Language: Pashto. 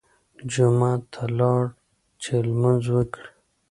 جومات ته لاړ چې لمونځ وکړي.